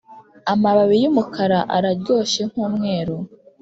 amababi yumukara araryoshye nkumweru